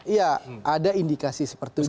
iya ada indikasi seperti itu